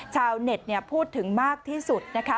ชาวเน็ตพูดถึงมากที่สุดนะคะ